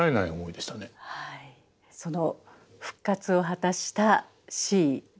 その復活を果たしたＣ５７１